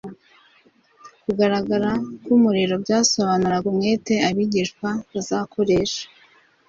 Kugaragara k’umuriro byasobanuraga umwete abigishwa bazakoresha